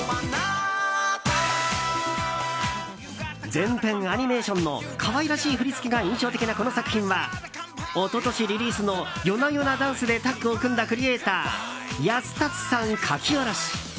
全編アニメーションの可愛らしい振り付けが印象的なこの作品は、一昨年リリースの「ＹＯＮＡＹＯＮＡＤＡＮＣＥ」でタッグを組んだクリエーターヤスタツさん書き下ろし。